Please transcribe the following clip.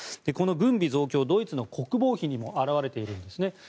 この軍備増強ドイツの国防費にも表れているんですね。